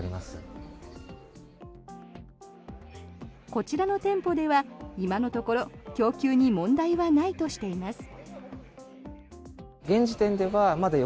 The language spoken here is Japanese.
こちらの店舗では今のところ供給に問題はないとしています。